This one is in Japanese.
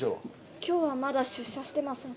今日はまだ出社してません。